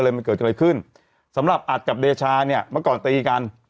เลยมันเกิดจังอะไรขึ้นสำหรับอัดกับเดชานี่มาก่อนตีกัน